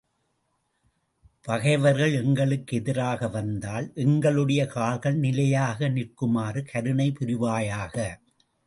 பகைவர்கள் எங்களுக்கு எதிராக வந்தால், எங்களுடைய கால்கள் நிலையாக நிற்குமாறு கருணை புரிவாயாக.